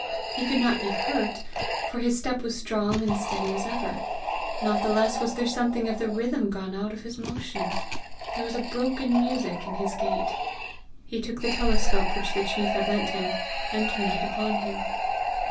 He could not be hurt, for his step was strong and steady as ever; not the less was there something of the rhythm gone out of his motion! there was "a broken music" in his gait! He took the telescope which the chief had lent him, and turned it upon him.